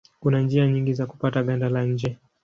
Kuna njia nyingi za kupata ganda la nje.